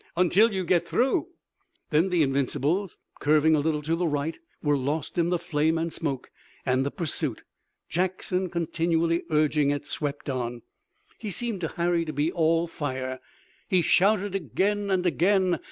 "Until you get through." Then the Invincibles, curving a little to the right, were lost in the flame and smoke, and the pursuit, Jackson continually urging it, swept on. He seemed to Harry to be all fire. He shouted again and again.